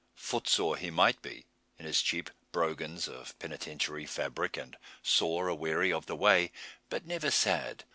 Footsore he might be, in his cheap "brogans" of Penitentiary fabric, and sore aweary of the way, but never sad.